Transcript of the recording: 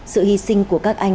sự hy sinh của các anh